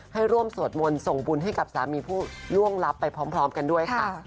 ให้ร่วมสวดมนต์ส่งบุญให้กับสามีผู้ล่วงลับไปพร้อมกันด้วยค่ะ